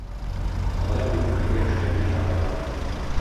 Алар мине бергә эшләргә чакыра.